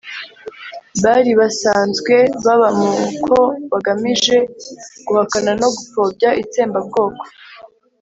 bali basanzwe baba mu ko bagamije guhakana no gupfobya itsembabwoko.